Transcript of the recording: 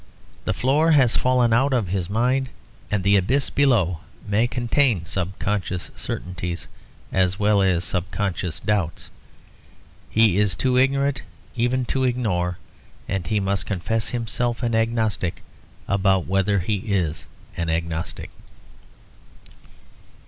The floor has fallen out of his mind and the abyss below may contain subconscious certainties as well as subconscious doubts. He is too ignorant even to ignore; and he must confess himself an agnostic about whether he is an agnostic.